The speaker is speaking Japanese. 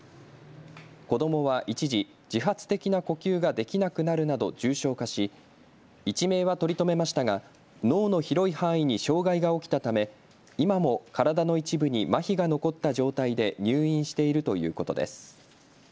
子どもは一時、自発的な呼吸ができなくなるなど重症化し一命は取り留めましたが脳の広い範囲に障害が起きたため今も体の一部にまひが残った状態で入院しているということです。